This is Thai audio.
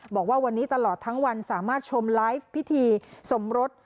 บอกว่าวันนี้ตลอดทั้งวันสามารถชมไลฟ์พิธีสมรส